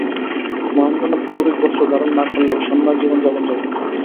মহেন্দ্রনাথ গৈরিক বস্ত্র ধারণ না করলেও সন্ন্যাসজীবন যাপন করতেন।